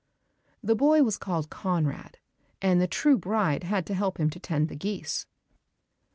The boy was called Conrad, and the true bride had to help him to tend the geese.